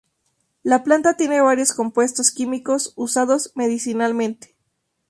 La planta tiene varios compuestos químicos usados medicinalmente.